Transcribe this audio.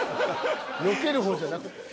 よける方じゃなくて？